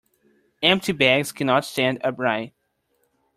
Empty bags cannot stand upright.